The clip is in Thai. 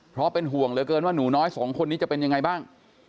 เพราะเป็นห่วงเหลือเกินว่าหนูน้อยสองคนนี้จะเป็นยังไงบ้าง